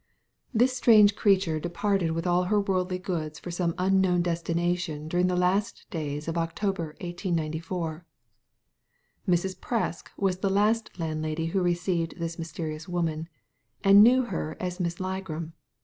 This strange creature departed with all her worldly goods for some unknown destination during the last days of October, 1894. Mrs. Presk was the last landlady who received this mysterious woman, and knew her as Miss Ligram.